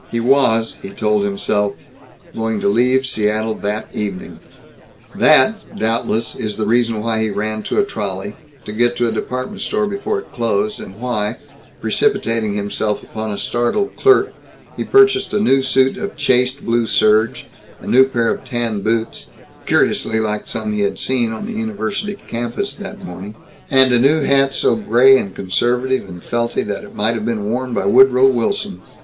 He was, he told himself, going to leave Seattle that evening. That, doubtless, is the reason why he ran to a trolley, to get to a department store before it closed; and why, precipitating himself upon a startled clerk, he purchased a new suit of chaste blue serge, a new pair of tan boots (curiously like some he had seen on the university campus that morning) and a new hat so gray and conservative and felty that it might have been worn by Woodrow Wilson.